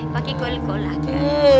pakai goel gola kan